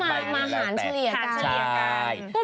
มันก็มาหารเฉลี่ยกัน